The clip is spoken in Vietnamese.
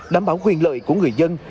đảm bảo quyền lợi của người dân